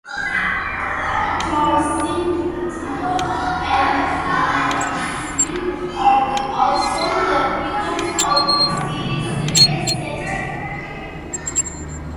Tourism, retailing and wholesaling are also the pillars of the city's service sector.